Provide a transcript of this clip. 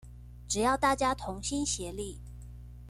只要大家同心協力